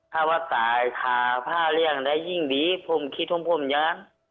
ถ้าว่าตายคาผ้าเลี่ยงได้ยิ่งดีผมคิดของผมยัง